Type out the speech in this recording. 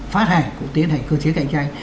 phát hành cũng tiến hành cơ chế cạnh tranh